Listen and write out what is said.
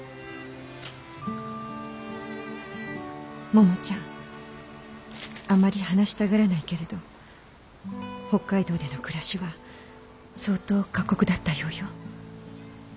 ももちゃんあまり話したがらないけれど北海道での暮らしは相当過酷だったようよ。